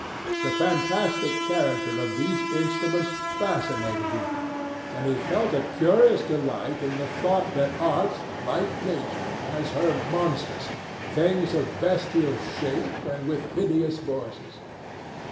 The fantastic character of these instruments fascinated him, and he felt a curious delight in the thought that art, like Nature, has her monsters, things of bestial shape and with hideous voices.